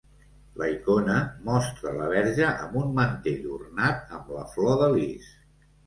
La icona mostra la Verge amb un mantell ornat amb la flor de lis.